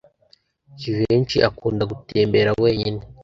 Jivency akunda gutembera wenyine.